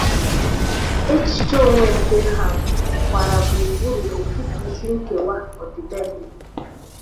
Echiche onwe nke Han gbara gburu gburu n'etiti isi nkewa ọdịbendị.